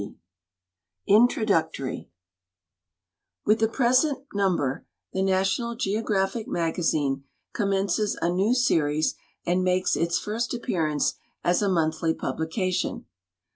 1 INTRODUCTORY With the present number the National Geographic Magazine commences a new series and makes its first appearance as a monthly publication.